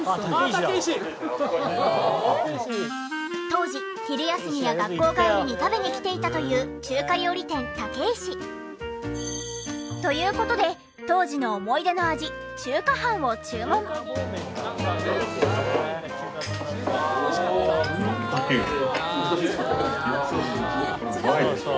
当時昼休みや学校帰りに食べに来ていたという中華料理店たけいし。という事で当時の思い出の味懐かしいですか？